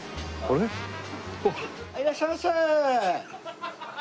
いらっしゃいませ！